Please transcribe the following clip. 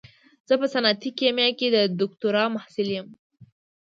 زه په صنعتي کيميا کې د دوکتورا محصل يم.